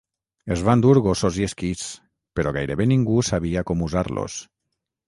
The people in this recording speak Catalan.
Es van dur gossos i esquís, però gairebé ningú sabia com usar-los.